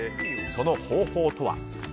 その方法とは？